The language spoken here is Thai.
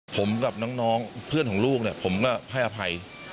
ผมกับน้องเพื่อนของลูกเนี่ยผมก็ให้อภัย